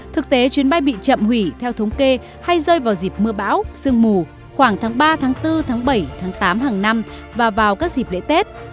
thực tế chuyến bay bị chậm hủy theo thống kê hay rơi vào dịp mưa bão sương mù khoảng tháng ba tháng bốn tháng bảy tháng tám hàng năm và vào các dịp lễ tết